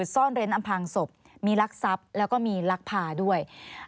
ซ่อนเร้นอำพังศพมีรักทรัพย์แล้วก็มีลักพาด้วย